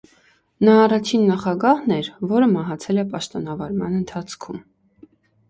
Նա առաջին նախագահն էր, որը մահացել է պաշտոնավարման ընթացքում։